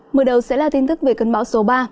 mở đầu sẽ là tin tức về cơn bão số ba